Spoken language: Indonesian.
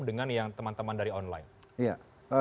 dengan yang teman teman dari online